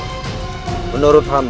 rayi gentring manik